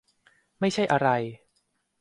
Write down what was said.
ไม่ใช่อะไร